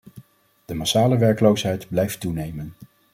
De massale werkloosheid blijft toenemen.